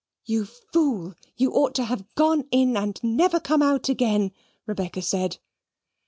"You fool! you ought to have gone in, and never come out again," Rebecca said.